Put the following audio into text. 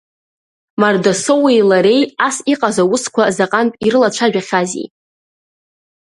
Мардасоуи лареи ас иҟаз аусқәа заҟантә ирылацәажәахьази!